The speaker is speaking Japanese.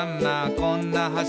こんな橋」